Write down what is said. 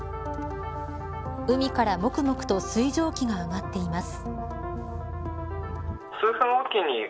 海から、もくもくと水蒸気が上がっています。